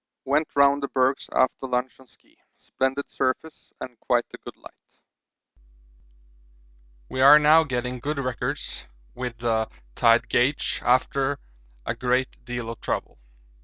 Went round the bergs after lunch on ski splendid surface and quite a good light. We are now getting good records with the tide gauge after a great deal of trouble.